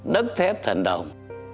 đất thép thành đồng